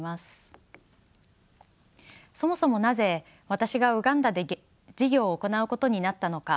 そもそもなぜ私がウガンダで事業を行うことになったのか